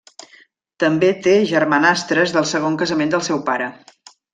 També té germanastres del segon casament del seu pare.